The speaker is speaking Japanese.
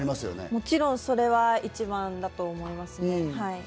もちろんそれは一番だと思いますね。